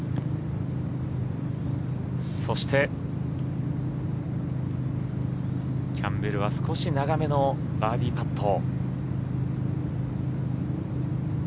そしてキャンベルは少し長めのバーディーパット。